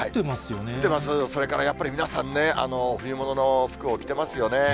それからやっぱり皆さんね、冬物の服を着てますよね。